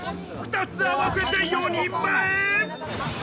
２つ合わせて４人前！